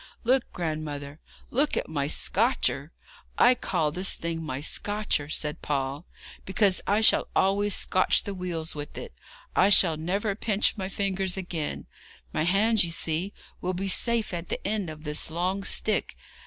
'Look, grandmother look at my scotcher! I call this thing my scotcher,' said Paul, 'because I shall always scotch the wheels with it. I shall never pinch my fingers again; my hands, you see, will be safe at the end of this long stick.